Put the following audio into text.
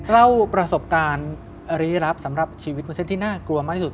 เล่าประสบการณ์รีรับสำหรับชีวิตวุ้นเส้นที่น่ากลัวมากที่สุด